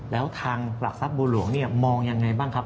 แล้วทางหลักทรัพย์บูรหลวงมองอย่างไรบ้างครับ